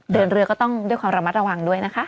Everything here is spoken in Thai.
เดินเรือก็ต้องด้วยความระมัดระวังด้วยนะคะ